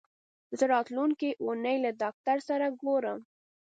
زه راتلونکې اونۍ له ډاکټر سره ګورم.